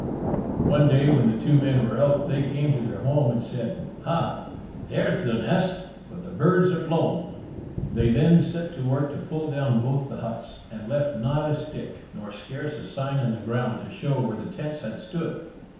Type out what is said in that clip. One day when the two men were out, they came to their home, and said, "Ha! there's the nest, but the birds are flown." They then set to work to pull down both the huts, and left not a stick, nor scarce a sign on the ground to show where the tents had stood.